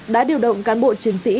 đã điều động cán bộ chiến sĩ